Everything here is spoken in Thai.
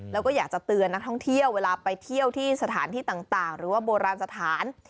แล้วก็อยากจะเตือนนักท่องเที่ยวเวลาไปเที่ยวที่สถานที่ต่างหรือว่าโบราณสถาน